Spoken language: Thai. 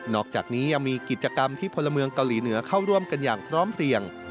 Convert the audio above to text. อกจากนี้ยังมีกิจกรรมที่พลเมืองเกาหลีเหนือเข้าร่วมกันอย่างพร้อมเพลียง